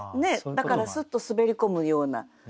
だからすっと滑り込むような。